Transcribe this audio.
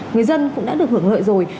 người dân cũng đã được hưởng lợi rồi